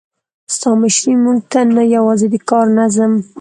ستا مشري موږ ته نه یوازې د کار نظم،